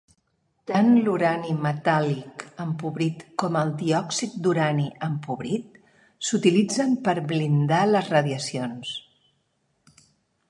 Tant l'urani metàl·lic empobrit com el diòxid d'urani empobrit s'utilitzen per blindar les radiacions.